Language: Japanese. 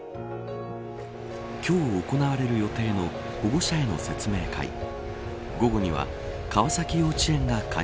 今日、行われる予定の保護者への説明会。